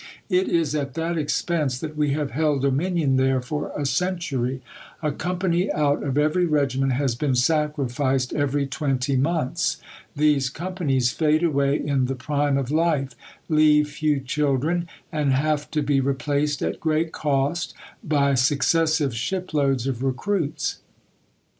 It is at that expense that we have held dominion there for a century; a company out of every regiment has been sacrificed every twenty months. These companies fade away in the prime of life; leave few children; and have to be replaced, at great cost, by successive shiploads of recruits."